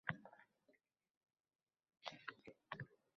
Uyalmasdan ko’rsat menga”, degandi o’shanda.